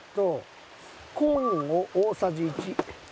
コーンを大さじ１。